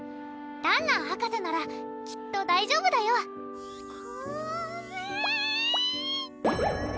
らんらん博士ならきっと大丈夫だよコメ！